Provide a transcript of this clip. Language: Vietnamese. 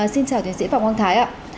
xin chào tiến sĩ phạm quang thái ạ